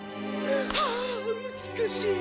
はあ美しい。